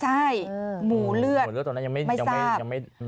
ใช่หมูเลือดไม่ทราบ